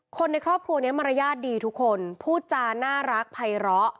คนในครอบครัวนี้มารยาทดีทุกคนพูดจาน่ารักภัยร้อ